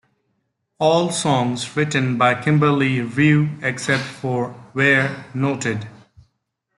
All songs written by Kimberley Rew, except for where noted.